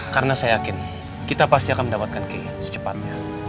karena saya yakin kita pasti akan mendapatkan kay secepatnya